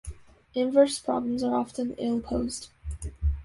Inverse problems are often ill-posed.